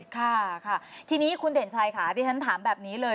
ค่ะค่ะทีนี้คุณเด่นชัยค่ะที่ฉันถามแบบนี้เลย